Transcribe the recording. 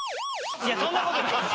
いやそんなことないです。